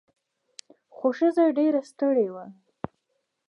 خو ښځه ډیره ستړې وه.